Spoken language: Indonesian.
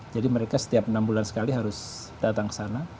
jadi mereka setiap enam bulan sekali harus datang ke sana